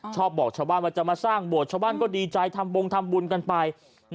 ชอบบอกเฉาบ้านมันจะมาสร้างบวชเฉาบ้านก็ดีใจทำวงทำบุญกันไป